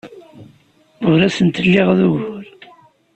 Ur asent-lliɣ d ugur.